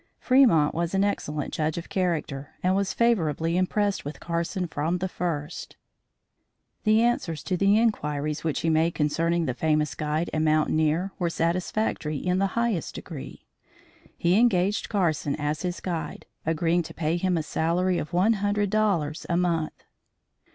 Fremont was an excellent judge of character and was favorably impressed with Carson from the first. The answers to the inquiries which he made concerning the famous guide and mountaineer, were satisfactory in the highest degree. He engaged Carson as his guide, agreeing to pay him a salary of one hundred dollars a month.